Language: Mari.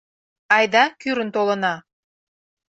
Айда, кӱрын толына.